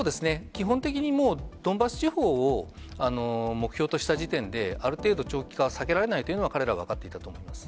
基本的にもう、ドンバス地方を目標とした時点で、ある程度、長期化は避けられないというのは彼らは分かっていたと思います。